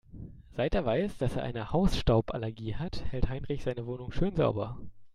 Seit er weiß, dass er eine Hausstauballergie hat, hält Heinrich seine Wohnung schön sauber.